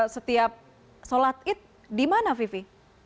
setiap sholat id di mana vivi